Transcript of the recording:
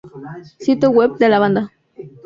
Sitio web de la banda